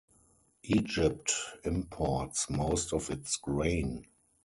Egypt imports most of it's grain.